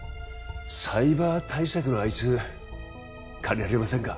サイバー対策のあいつ借りられませんか？